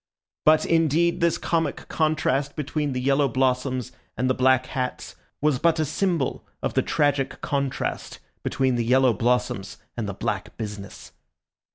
But, indeed, this comic contrast between the yellow blossoms and the black hats was but a symbol of the tragic contrast between the yellow blossoms and the black business.